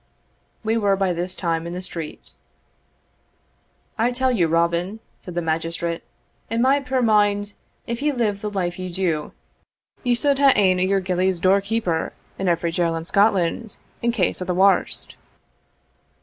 We were by this time in the street. "I tell you, Robin," said the magistrate, "in my puir mind, if ye live the life ye do, ye suld hae ane o' your gillies door keeper in every jail in Scotland, in case o' the warst."